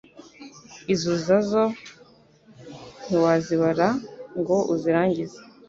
Izuza zo ntiwazibara ngo uzirangize